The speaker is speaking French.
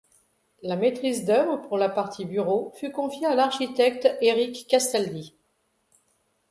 La maîtrise d’œuvre pour la partie bureaux fut confiée à l'architecte Eric Castaldi.